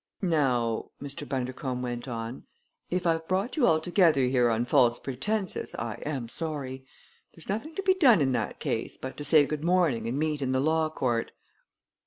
"Now," Mr. Bundercombe went on, "if I've brought you all together here on false pretenses, I am sorry. There's nothing to be done in that case but to say good morning and meet in the law court.